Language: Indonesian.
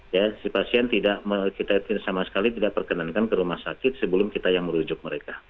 ya si pasien kita sama sekali tidak perkenankan ke rumah sakit sebelum kita yang merujuk mereka